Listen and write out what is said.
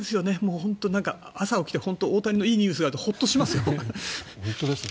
本当に朝起きて大谷のいいニュースがあるとホッとしますね。